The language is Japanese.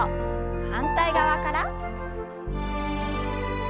反対側から。